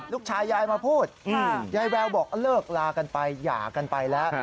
ยายมาพูดยายแววบอกเลิกลากันไปหย่ากันไปแล้ว